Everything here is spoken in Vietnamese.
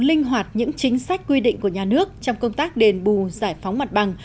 linh hoạt những chính sách quy định của nhà nước trong công tác đền bù giải phóng mặt bằng